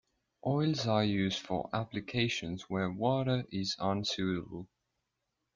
Oils are used for applications where water is unsuitable.